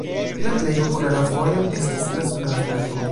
La plej populara vojo estas la suda flanko.